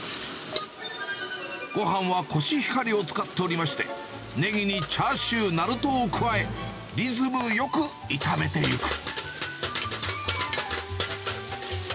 ごはんはコシヒカリを使っておりまして、ねぎにチャーシュー、なるとを加え、リズムよく炒めていく。